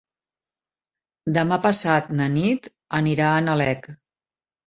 Demà passat na Nit anirà a Nalec.